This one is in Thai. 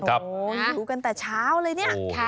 โอ้โหอยู่กันแต่เช้าเลยนี่